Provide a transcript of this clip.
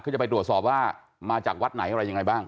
ก็จะไปตรวจสอบว่ามาจากวัดไหนอะไรยังไงบ้าง